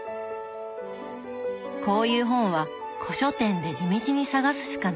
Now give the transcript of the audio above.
こういう本は古書店で地道に探すしかないそう。